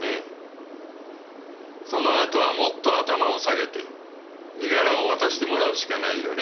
その後はもっと頭を下げて身柄を渡してもらうしかないよね。